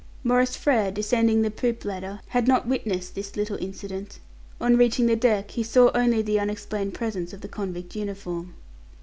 Maurice Frere, descending the poop ladder, had not witnessed this little incident; on reaching the deck, he saw only the unexplained presence of the convict uniform.